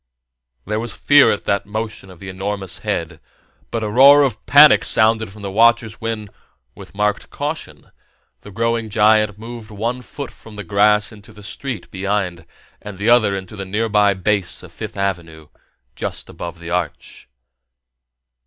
There was fear at that motion of the enormous head, but a roar of panic sounded from the watchers when, with marked caution, the growing giant moved one foot from the grass into the street behind and the other into the nearby base of Fifth Avenue, just above the Arch.